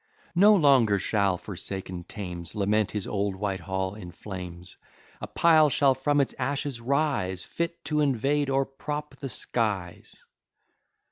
No longer shall forsaken Thames Lament his old Whitehall in flames; A pile shall from its ashes rise, Fit to invade or prop the skies."